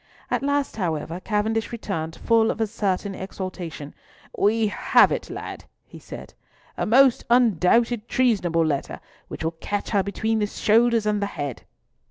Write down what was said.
At last, however, Cavendish returned full of a certain exultation: "We have it," he said,—"a most undoubted treasonable letter, which will catch her between the shoulders and the head."